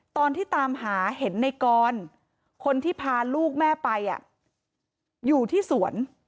ตอนที่ตามหาเห็นในกรคนที่พาลูกแม่ไปอยู่ที่สวน